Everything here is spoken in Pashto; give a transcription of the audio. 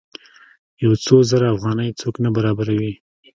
یو څو زره افغانۍ څوک نه برابروي.